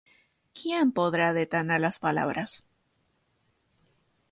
¿quién podrá detener las palabras?